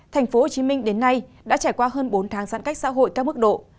tp hcm đến nay đã trải qua hơn bốn tháng giãn cách xã hội các mức độ